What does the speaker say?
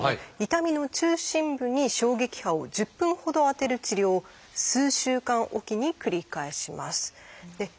痛みの中心部に衝撃波を１０分ほど当てる治療を数週間おきに繰り返します。